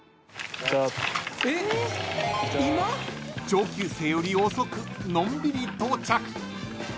［上級生より遅くのんびり到着］